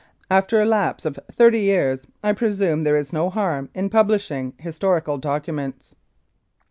After a lapse of thirty years I presume there is no harm in publishing historical documents.